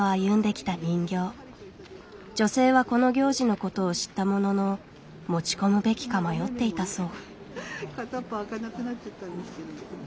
女性はこの行事のことを知ったものの持ち込むべきか迷っていたそう。